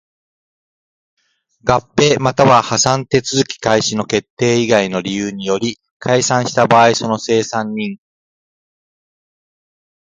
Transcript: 合併又は破産手続開始の決定以外の理由により解散した場合その清算人